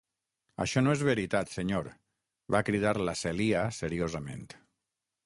"Això no és veritat, senyor", va cridar la Celia seriosament.